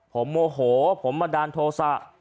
ผมโอโหผมมาด่านโทษะ